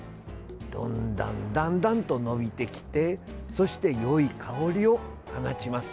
だんだんだんだんと伸びてきてそして、よい香りを放ちます。